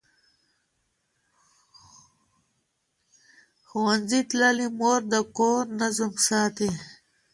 ښوونځې تللې مور د کور نظم ساتي.